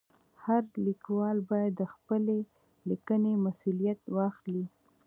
هر لیکوال باید د خپلې لیکنې مسؤلیت واخلي.